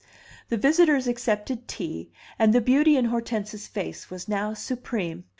The visitors accepted tea, and the beauty in Hortense's face was now supreme.